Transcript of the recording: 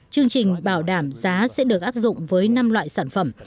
chương trình bảo đảm giá sẽ được áp dụng với năm loại sản phẩm